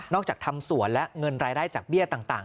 จากทำสวนและเงินรายได้จากเบี้ยต่าง